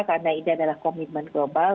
karena ini adalah komitmen global